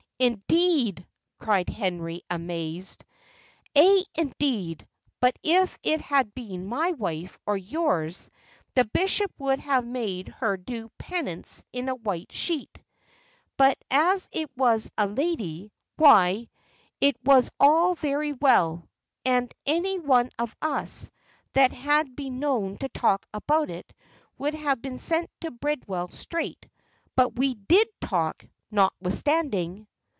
"Indeed!" cried Henry, amazed. "Ay, indeed; but if it had been my wife or yours, the bishop would have made her do penance in a white sheet; but as it was a lady, why, it was all very well and any one of us, that had been known to talk about it, would have been sent to Bridewell straight. But we did talk, notwithstanding."